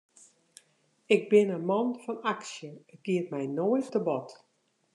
Ik bin in man fan aksje, it giet my noait te bot.